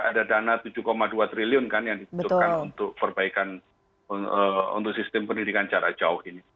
ada dana tujuh dua triliun kan yang dibutuhkan untuk perbaikan untuk sistem pendidikan jarak jauh ini